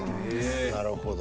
なるほど。